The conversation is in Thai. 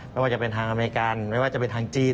ไม่ว่าจะเป็นทางอเมริกันไม่ว่าจะเป็นทางจีน